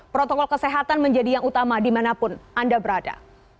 protokol kesehatan menjadi yang utama dimanapun anda berada